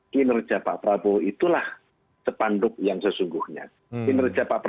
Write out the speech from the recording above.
kinerja pak prabowo itulah sepanduk yang sesungguhnya